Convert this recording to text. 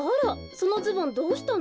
そのズボンどうしたの？